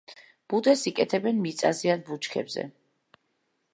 ბუდეს იკეთებენ მიწაზე ან ბუჩქებზე.